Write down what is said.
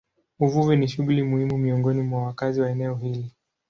Uvuvi ni shughuli muhimu miongoni mwa wakazi wa eneo hili.